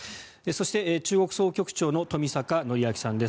そして、中国総局長の冨坂範明さんです。